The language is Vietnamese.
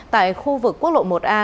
tại khu vực quốc lộ một a